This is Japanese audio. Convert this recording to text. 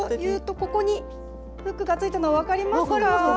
ここにフックがついたの分かりますか？